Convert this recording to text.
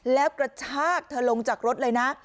แล้วกระชากเธอลงจากรถเลยนะ